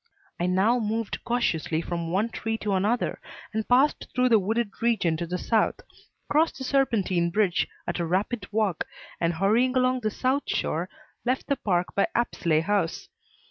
I now moved cautiously from one tree to another and passed through the wooded region to the south, crossed the Serpentine bridge at a rapid walk and hurrying along the south shore left the Park by Apsley House.